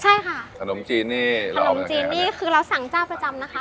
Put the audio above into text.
ใช่ค่ะขนมจีนนี่ขนมจีนนี่คือเราสั่งเจ้าประจำนะคะ